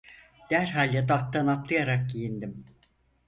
Derhal yataktan atlayarak giyindim.